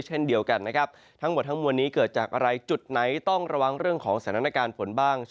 เช่นเดียวกันนะครับทั้งหมดทั้งมวลนี้เกิดจากอะไรจุดไหนต้องระวังเรื่องของสถานการณ์ฝนบ้าง